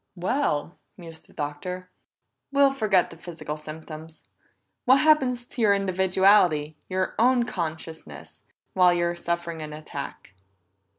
"Well," mused the Doctor, "we'll forget the physical symptoms. What happens to your individuality, your own consciousness, while you're suffering an attack?"